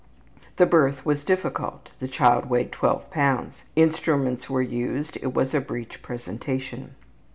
The birth was difficult. The child weighed 12 lbs. Instruments were used; it was a breech presentation.